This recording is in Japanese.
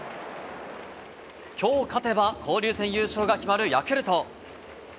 今日勝てば交流戦優勝が決まるヤクルト。